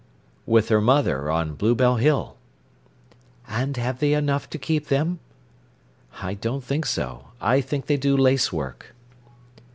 "With her mother, on Bluebell Hill." "And have they enough to keep them?" "I don't think so. I think they do lace work."